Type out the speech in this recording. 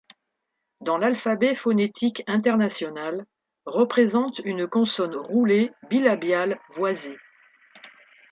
Dans l’alphabet phonétique international, représente une consonne roulée bilabiale voisée.